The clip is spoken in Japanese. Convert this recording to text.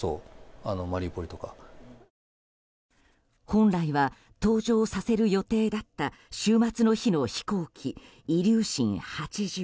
本来は登場させる予定だった終末の日の飛行機イリューシン８０。